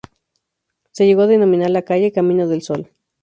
Se llegó a denominar la calle: "Camino del Sol".